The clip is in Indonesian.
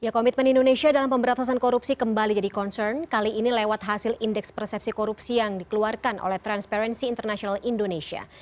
komitmen indonesia dalam pemberantasan korupsi kembali jadi concern kali ini lewat hasil indeks persepsi korupsi yang dikeluarkan oleh transparency international indonesia